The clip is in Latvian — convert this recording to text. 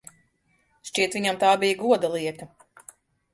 Šķiet, viņam tā bija goda lieta.